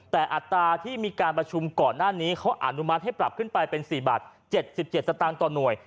แต่อัตราที่มีการประชุมก่อนหน้านี้เขาอนุมัติให้ปรับขึ้นไปเป็น๔บาท๗๗สตางค์ต่อหน่วย